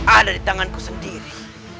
ada di tanganku sendiri